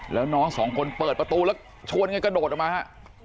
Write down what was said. แล้วน้องสองคนเปิดประตูแล้วชวนกันกระโดดออกมาฮะ